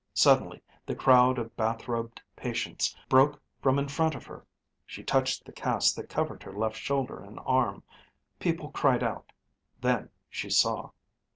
Suddenly the crowd of bathrobed patients broke from in front of her. She touched the cast that covered her left shoulder and arm. People cried out. Then she saw.